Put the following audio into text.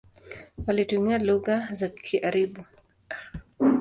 Walitumia lugha za karibu.